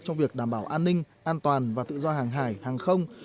trong việc đảm bảo an ninh an toàn và tự do hàng hải hàng không